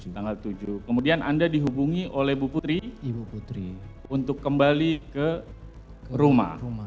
tanggal tujuh kemudian anda dihubungi oleh ibu putri untuk kembali ke rumah